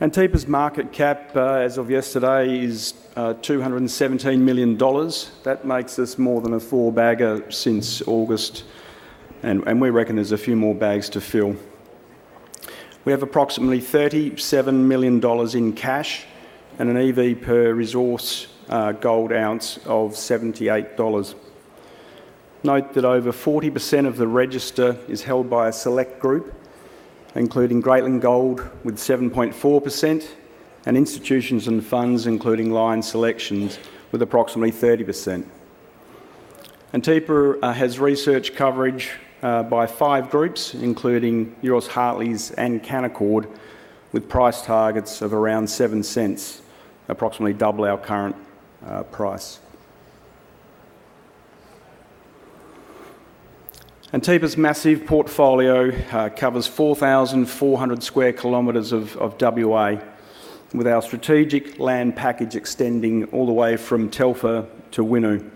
Antipa's market cap, as of yesterday, is 217 million dollars. That makes us more than a four-bagger since August, and we reckon there's a few more bags to fill. We have approximately 37 million dollars in cash and an EV per resource gold ounce of 78 dollars. Note that over 40% of the register is held by a select group, including Greatland Gold with 7.4%, and institutions and funds, including Lion Selection, with approximately 30%. Antipa has research coverage by five groups, including Hartleys and Canaccord, with price targets of around 0.07, approximately double our current price. Antipa's massive portfolio covers 4,400 sq km of Western Australia, with our strategic land package extending all the way from Telfer to Winu.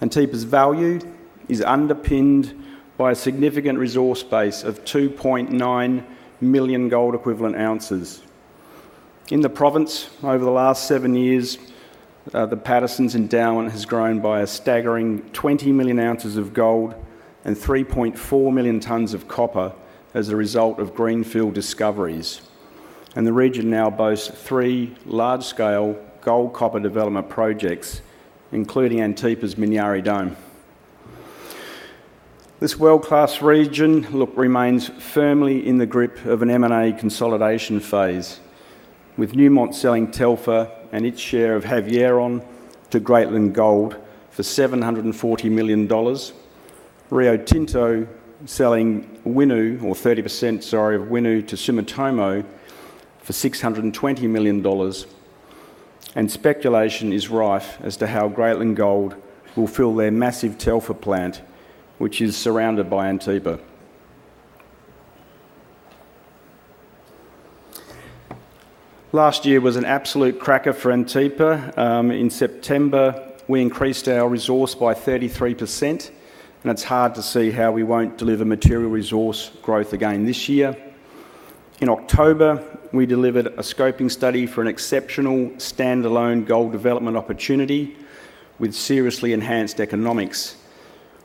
Antipa's value is underpinned by a significant resource base of 2.9 million gold-equivalent ounces. In the province, over the last seven years, the Paterson's endowment has grown by a staggering 20 million oz of gold and 3.4 million tonnes of copper as a result of greenfield discoveries, and the region now boasts three large-scale gold-copper development projects, including Antipa's Minyari Dome. This world-class region remains firmly in the grip of an M&A consolidation phase, with Newmont selling Telfer and its share of Havieron to Greatland Gold for 740 million dollars, Rio Tinto selling 30% of Winu to Sumitomo for 620 million dollars, and speculation is rife as to how Greatland Gold will fill their massive Telfer plant, which is surrounded by Antipa. Last year was an absolute cracker for Antipa. In September, we increased our resource by 33%, and it's hard to see how we won't deliver material resource growth again this year. In October, we delivered a scoping study for an exceptional standalone gold development opportunity with seriously enhanced economics,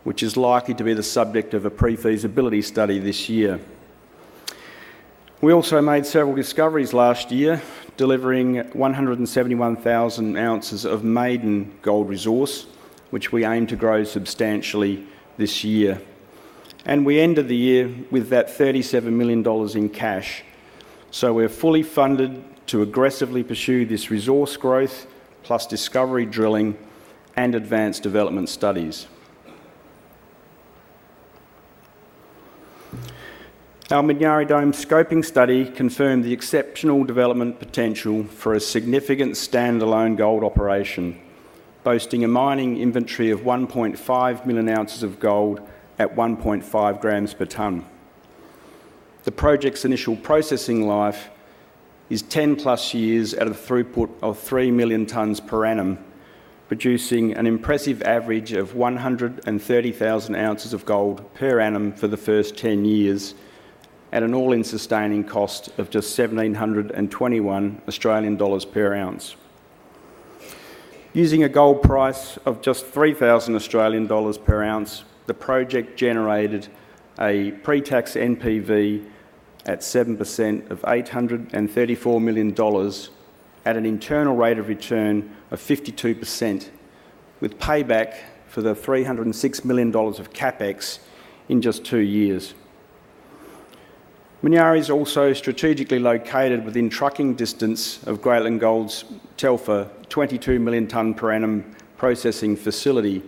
which is likely to be the subject of a pre-feasibility study this year. We also made several discoveries last year, delivering 171,000 oz of maiden gold resource, which we aim to grow substantially this year, and we ended the year with that 37 million dollars in cash. We are fully funded to aggressively pursue this resource growth, plus discovery drilling and advanced development studies. Our Minyari Dome scoping study confirmed the exceptional development potential for a significant standalone gold operation, boasting a mining inventory of 1.5 million oz of gold at 1.5 g/t. The project's initial processing life is 10+ years at a throughput of 3 million tonnes per annum, producing an impressive average of 130,000 oz of gold per annum for the first 10 years, at an all-in sustaining cost of just 1,721 Australian dollars per ounce. Using a gold price of just 3,000 Australian dollars per ounce, the project generated a pre-tax NPV at 7% of 834 million dollars at an internal rate of return of 52%, with payback for the 306 million dollars of CapEx in just two years. Minyari is also strategically located within trucking distance of Greatland Gold's Telfer 22 million tonne per annum processing facility,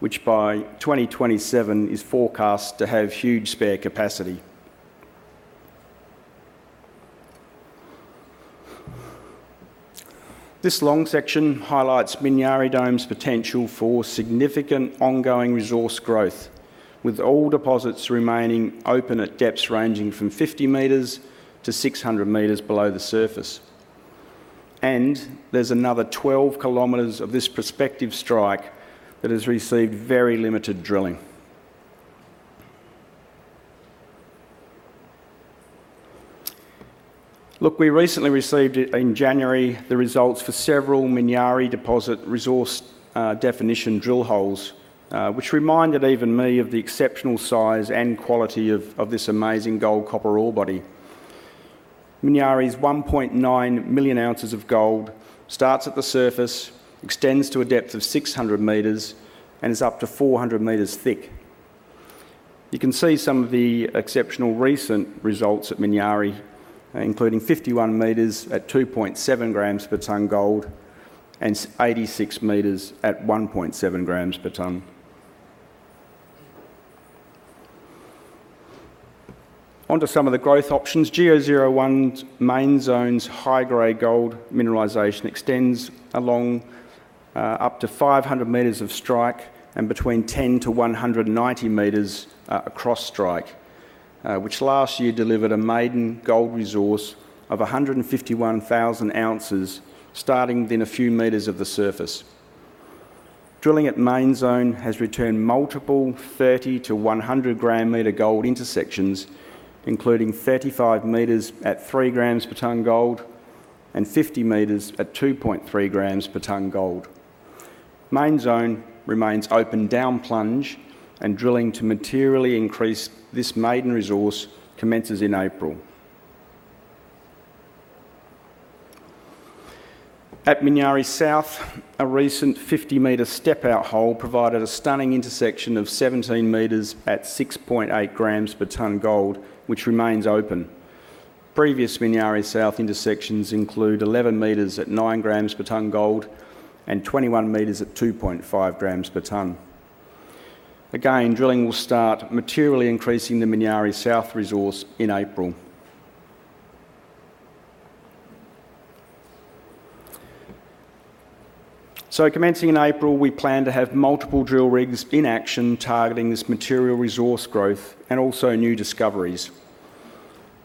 which by 2027 is forecast to have huge spare capacity. This long section highlights Minyari Dome's potential for significant ongoing resource growth, with all deposits remaining open at depths ranging from 50 m-600 m below the surface, and there's another 12 km of this prospective strike that has received very limited drilling. Look, we recently received in January the results for several Minyari deposit resource definition drill holes, which reminded even me of the exceptional size and quality of this amazing gold-copper ore body. Minyari's 1.9 million oz of gold starts at the surface, extends to a depth of 600 m, and is up to 400 m thick. You can see some of the exceptional recent results at Minyari, including 51 m at 2.7 g/t gold and 86 m at 1.7 g/t. Onto some of the growth options. GEO-01 Main Zone's high-grade gold mineralization extends along up to 500 m of strike and between 10 m-190 m across strike, which last year delivered a maiden gold resource of 151,000 oz starting within a few metres of the surface. Drilling at Main Zone has returned multiple 30 g-100 gram-metre gold intersections, including 35 m at 3 g/t gold and 50 m at 2.3 g/t gold. Main Zone remains open down-plunge, and drilling to materially increase this maiden resource commences in April. At Minyari South, a recent 50 m step-out hole provided a stunning intersection of 17 m at 6.8 g/t gold, which remains open. Previous Minyari South intersections include 11 m at 9 g/t gold and 21 m at 2.5 g/t. Again, drilling will start materially increasing the Minyari South resource in April. Commencing in April, we plan to have multiple drill rigs in action targeting this material resource growth and also new discoveries.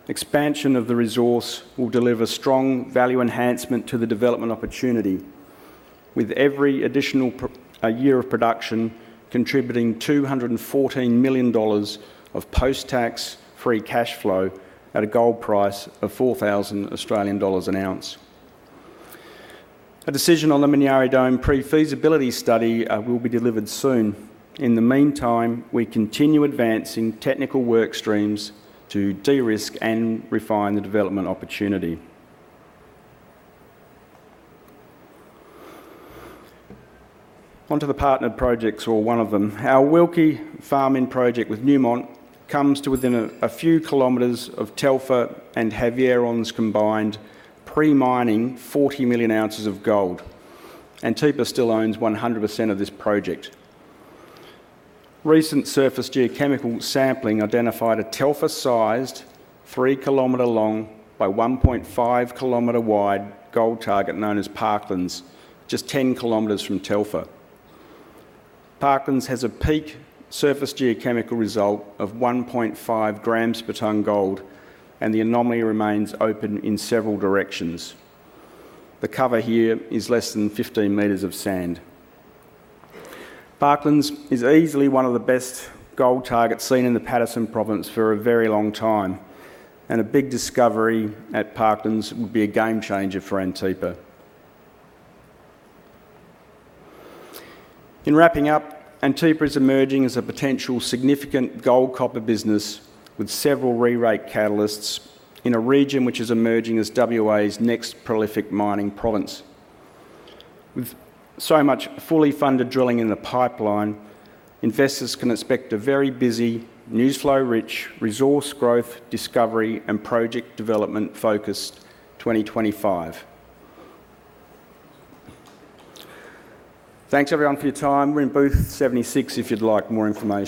Expansion of the resource will deliver strong value enhancement to the development opportunity, with every additional year of production contributing 214 million dollars of post-tax free cash flow at a gold price of 4,000 Australian dollars an ounce. A decision on the Minyari Dome pre-feasibility study will be delivered soon. In the meantime, we continue advancing technical work streams to de-risk and refine the development opportunity. Onto the partner projects, or one of them. Our Wilki farm-in project with Newmont comes to within a few kilometres of Telfer and Havieron's combined pre-mining 40 million ounces of gold, and Antipa still owns 100% of this project. Recent surface geochemical sampling identified a Telfer-sized, 3 km-long by 1.5 km-wide gold target known as Parklands, just 10 km from Telfer. Parklands has a peak surface geochemical result of 1.5 g/t gold, and the anomaly remains open in several directions. The cover here is less than 15 metres of sand. Parklands is easily one of the best gold targets seen in the Paterson Province for a very long time, and a big discovery at Parklands would be a game changer for Antipa. In wrapping up, Antipa is emerging as a potential significant gold-copper business with several rerate catalysts in a region which is emerging as Western Australia's next prolific mining province. With so much fully funded drilling in the pipeline, investors can expect a very busy, newsflow-rich resource growth, discovery, and project development-focused 2025. Thanks, everyone, for your time. We're in booth 76 if you'd like more information.